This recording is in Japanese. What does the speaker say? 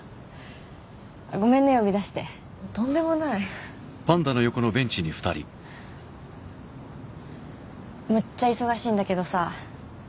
ごめんね呼び出してとんでもないむっちゃ忙しいんだけどさ